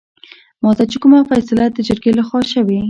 ماته چې کومه فيصله دجرګې لخوا شوې